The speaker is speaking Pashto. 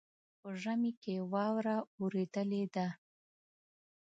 په ژمي کې واوره اوریدلې ده.